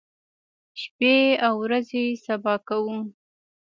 شپې او ورځې سبا کوو.